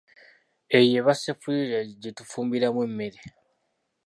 Eyo eba sseffuliya gye tufumbiramu emmere.